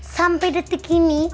sampai detik ini